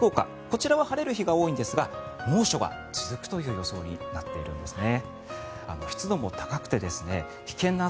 こちらは晴れる日が多いんですが猛暑が続くという予想になっているんですね。